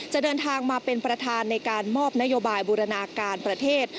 เดินทางมาเป็นประธานในการมอบนโยบายบูรณาการประเทศ